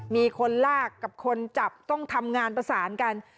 มีคนลากกับคนจับต้องทำงานประสานกัน